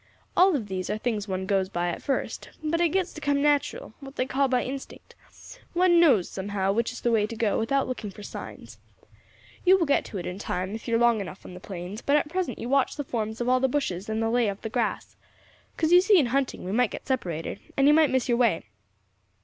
All of these are things one goes by at first, but it gets to come natural, what they call by instinct; one knows, somehow, which is the way to go without looking for signs. You will get to it in time, if you are long enough on the plains; but at present you watch the forms of all the bushes and the lay of the grass, 'cause you see in hunting we might get separated, and you might miss your way.